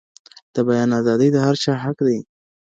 د بيان ازادي د هر چا حق دی.